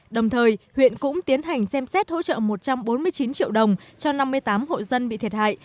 đồng thời huyện cũng tiến hành xem xét hỗ trợ một trăm bốn mươi chín triệu đồng cho năm mươi tám hộ dân bị thiệt hại